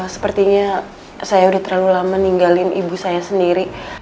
sepertinya saya udah terlalu lama ninggalin ibu saya sendiri